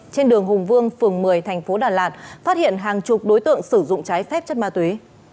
trên đường hùng vương phường một mươi thành phố đà lạt phát hiện hàng chục đối tượng sử dụng trái phép chất ma túy